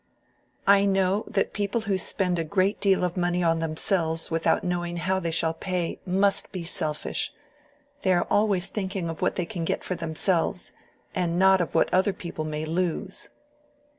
"I know that people who spend a great deal of money on themselves without knowing how they shall pay, must be selfish. They are always thinking of what they can get for themselves, and not of what other people may lose."